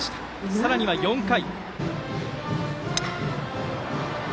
さらには４回。